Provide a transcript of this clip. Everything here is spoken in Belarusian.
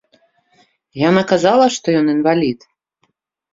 Яна казала, што ён інвалід?